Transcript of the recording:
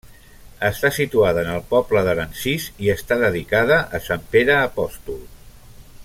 Està situada en el poble d'Aransís, i està dedicada a Sant Pere apòstol.